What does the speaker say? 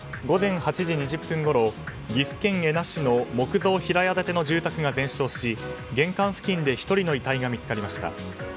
午前８時２０分ごろ岐阜県恵那市の木造平屋建ての住宅が全焼し玄関付近で１人の遺体が見つかりました。